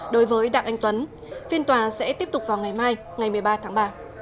đối với đặng anh tuấn phiên tòa sẽ tiếp tục vào ngày mai ngày một mươi ba tháng ba